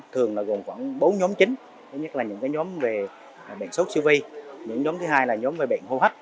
thường là gồm khoảng bốn nhóm chính thứ nhất là những nhóm về bệnh sốt siêu vi những nhóm thứ hai là nhóm về bệnh hô hấp